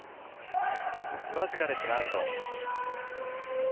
僅かですがアウト。